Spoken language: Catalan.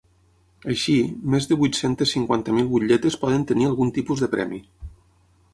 Així, més de vuit-cents cinquanta mil butlletes poden tenir algun tipus de premi.